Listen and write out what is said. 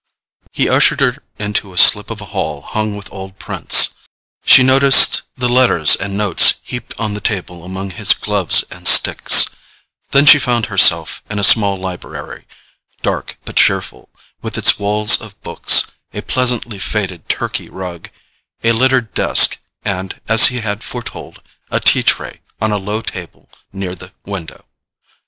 He ushered her into a slip of a hall hung with old prints. She noticed the letters and notes heaped on the table among his gloves and sticks; then she found herself in a small library, dark but cheerful, with its walls of books, a pleasantly faded Turkey rug, a littered desk and, as he had foretold, a tea tray on a low table near the window.